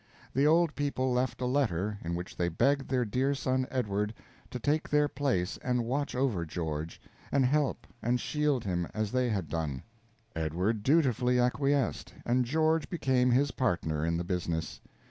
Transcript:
The old people left a letter, in which they begged their dear son Edward to take their place and watch over George, and help and shield him as they had done. Edward dutifully acquiesced, and George became his partner in the business.